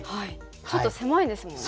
ちょっと狭いですもんね。